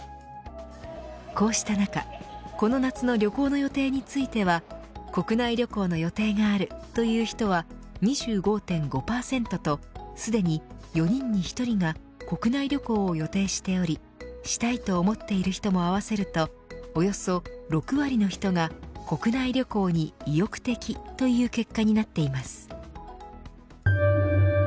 こうした中、この夏の旅行の予定については国内旅行の予定があるという人は２５．５％とすでに４人に１人が国内旅行を予定しておりしたいと思っている人も合わせるとおよそ６割の人が国内旅行に意欲的という結果になっています。